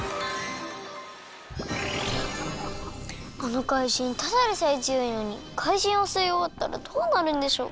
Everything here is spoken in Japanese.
あのかいじんただでさえつよいのにかいじんをすいおわったらどうなるんでしょう？